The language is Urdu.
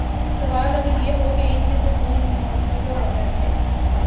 سوال اگر یہ ہو کہ ان میں سے کون محب وطن ہے